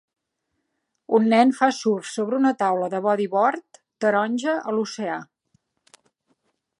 Un nen fa surf sobre una taula de bodyboard taronja a l'oceà.